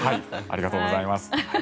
ありがとうございます。